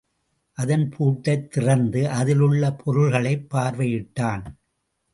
அதன் பூட்டைத் திறந்து அதில் உள்ள பொருள்களைப் பார்வையிட்டான்.